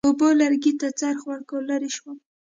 اوبو لرګي ته څرخ ورکړ، لرې شوم.